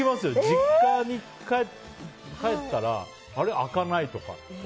実家に帰ったらあれ、開かないとか。